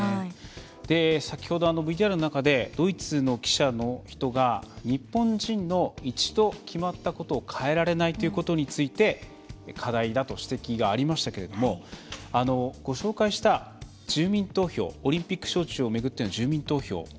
先ほど、ＶＴＲの中でドイツの記者の人が日本人の一度決まったことを変えられないということについて課題だと指摘がありましたけどもご紹介したオリンピック招致を巡っての住民投票。